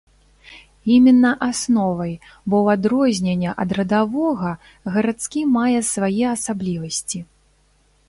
Іменна асновай, бо ў адрозненне ад радавога гарадскі мае свае асаблівасці.